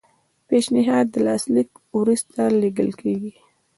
پیشنهاد د لاسلیک وروسته لیږل کیږي.